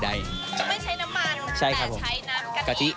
ไม่ใช้น้ำมันแต่ใช้น้ำกะทิ